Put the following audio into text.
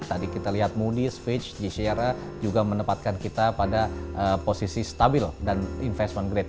tadi kita lihat moody switch g shara juga menempatkan kita pada posisi stabil dan investment grade